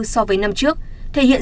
so với năm trước thể hiện